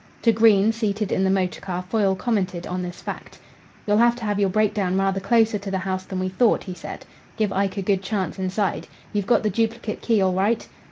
To Green, seated in the motor car, Foyle commented on this fact. "You'll have to have your breakdown rather closer to the house than we thought," he said. "Give Ike a good chance inside. You've got the duplicate key all right?"